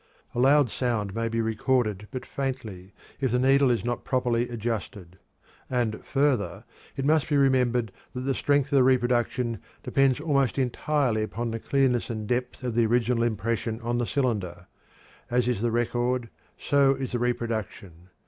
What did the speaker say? A loud sound may be recorded but faintly, if the needle is not properly adjusted. And, further, it must be remembered that the strength of the reproduction depends almost entirely upon the clearness and depth of the original impression on the cylinder; as is the record, so is the reproduction.